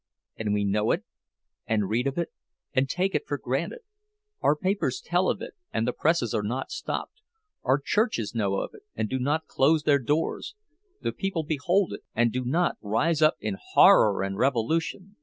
And we know it, and read of it, and take it for granted; our papers tell of it, and the presses are not stopped—our churches know of it, and do not close their doors—the people behold it, and do not rise up in horror and revolution!